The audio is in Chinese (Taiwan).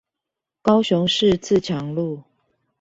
高雄市自強路